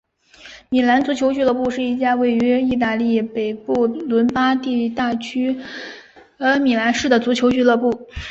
米兰足球俱乐部是一家位于义大利北部伦巴第大区米兰市的足球俱乐部。